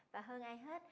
và hơn ai hết